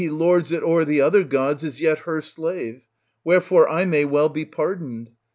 949 1014 lords it o'er the other gods, is yet her slave ; wherefore I may well be pardoned.